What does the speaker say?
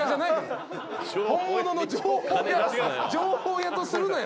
本物の情報屋とするなよ。